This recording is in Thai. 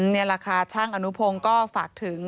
นี่แหละค่ะช่างอนุพงศ์ก็ฝากถึง